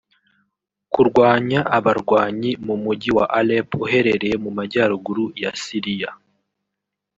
kurwanya abarwanyi mu Mujyi wa Alep uherereye mu Majyaruguru ya Siriya